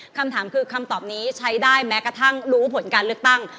คำถามคือคำตอบนี้ใช้ได้แม้กระทั่งรู้ผลการเลือกตั้ง